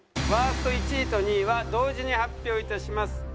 ワースト１位と２位は同時に発表いたします。